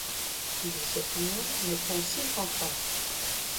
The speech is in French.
De cette union naîtront six enfants.